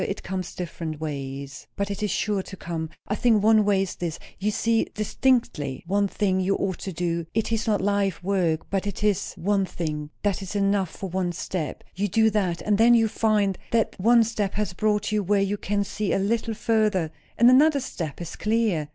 It comes different ways. But it is sure to come. I think one way is this, You see distinctly one thing you ought to do; it is not life work, but it is one thing. That is enough for one step. You do that; and then you find that that one step has brought you where you can see a little further, and another step is clear.